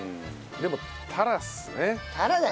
でもタラっすね。